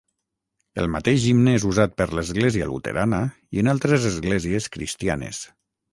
El mateix himne és usat per l'Església Luterana i en altres esglésies cristianes.